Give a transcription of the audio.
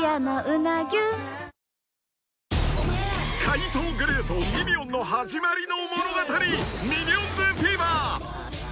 ［怪盗グルーとミニオンの始まりの物語『ミニオンズフィーバー』］